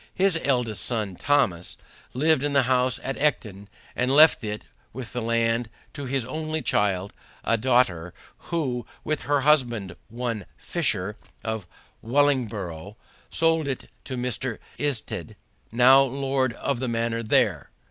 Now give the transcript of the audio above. His eldest son Thomas lived in the house at Ecton, and left it with the land to his only child, a daughter, who, with her husband, one Fisher, of Wellingborough, sold it to Mr. Isted, now lord of the manor there.